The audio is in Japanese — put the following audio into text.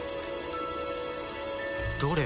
どれ？